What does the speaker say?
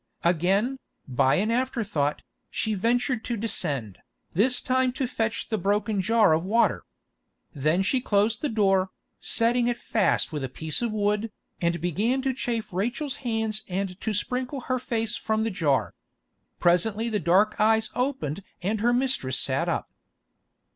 Again, by an afterthought, she ventured to descend, this time to fetch the broken jar of water. Then she closed the door, setting it fast with a piece of wood, and began to chafe Rachel's hands and to sprinkle her face from the jar. Presently the dark eyes opened and her mistress sat up.